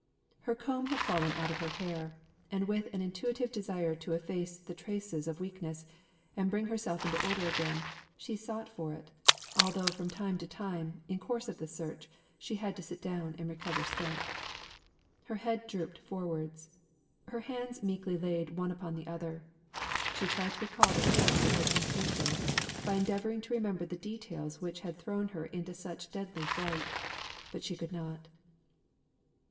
Her comb had fallen out of her hair; and with an intuitive desire to efface the traces of weakness, and bring herself into order again, she sought for it, although from time to time, in the course of the search, she had to sit down and recover strength. Her head drooped forwards her hands meekly laid one upon the other she tried to recall the force of her temptation, by endeavouring to remember the details which had thrown her into such deadly fright; but she could not.